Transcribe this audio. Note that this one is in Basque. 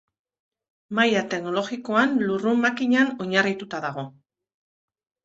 Maila teknologikoan lurrun-makinan oinarrituta dago.